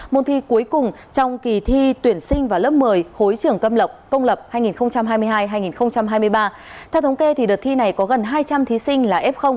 lớp một mươi khối trưởng câm lọc công lập hai nghìn hai mươi hai hai nghìn hai mươi ba theo thống kê đợt thi này có gần hai trăm linh thí sinh là f